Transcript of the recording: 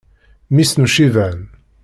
Mmi-s n uciban.